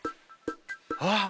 あっ！